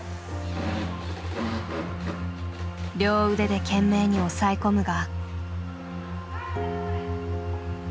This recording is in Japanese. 両腕で懸命におさえ込むが。